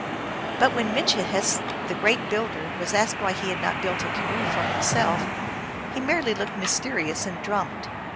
But when Mitchihess, the great builder, was asked why he had not built a canoe for himself, he merely looked mysterious and drummed.